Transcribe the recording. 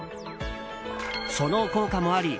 その効果もあり